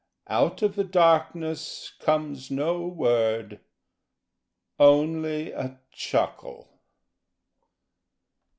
Out of the darkness Comes no word ....Only a chuckle.